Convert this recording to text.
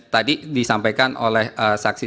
tadi disampaikan oleh saksi